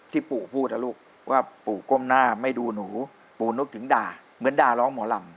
ปู่พูดนะลูกว่าปู่ก้มหน้าไม่ดูหนูปู่นึกถึงด่าเหมือนด่าร้องหมอลำ